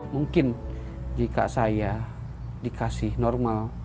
mungkin jika saya dikasih normal